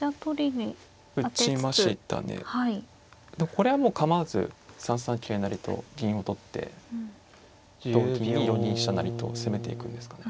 これはもう構わず３三桂成と銀を取って同銀に４二飛車成と攻めていくんですかね。